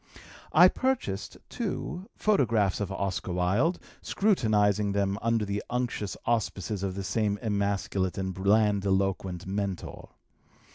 I purchased, too, photographs of Oscar Wilde, scrutinizing them under the unctuous auspices of this same emasculate and blandiloquent mentor.